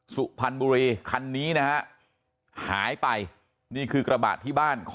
สุพันธ์บุรีคันนี้นะฮะหายไป